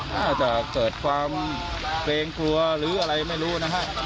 แต่เจอร์จความเกรงหัวหรืออะไรไม่รู้นะครับ